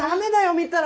見たら！